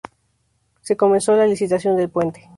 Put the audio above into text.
Se comenzó la licitación del puente.